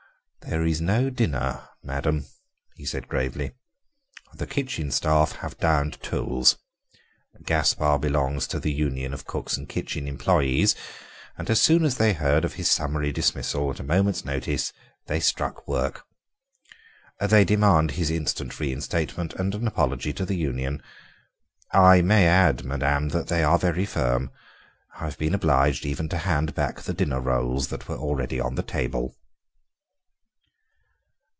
"There is no dinner, madame," he said gravely; "the kitchen staff have 'downed tools.' Gaspare belongs to the Union of Cooks and Kitchen Employees, and as soon as they heard of his summary dismissal at a moment's notice they struck work. They demand his instant reinstatement and an apology to the union. I may add, madame, that they are very firm; I've been obliged even to hand back the dinner rolls that were already on the table."